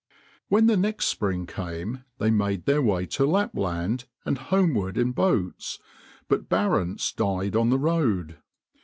When the next spring came they made their way to Lapland and homeward in boats, but Barentz died on the road.